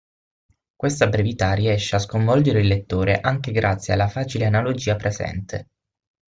Questa brevità riesce a sconvolgere il lettore anche grazie alla facile analogia presente.